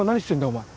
お前。